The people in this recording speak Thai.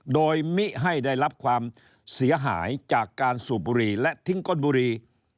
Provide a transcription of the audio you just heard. โดยมิให้ได้รับความเสียหายจากการสูบบุหรี่และทิ้งก้นบุรี